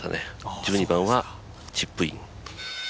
１２番はチップイン。